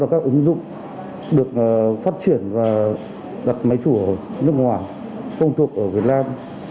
các ứng dụng được phát triển và đặt máy chủ nước ngoài công thuộc ở việt nam